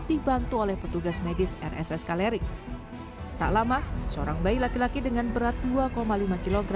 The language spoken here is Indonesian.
dibantu oleh petugas medis rss kalerik tak lama seorang bayi laki laki dengan berat dua lima kg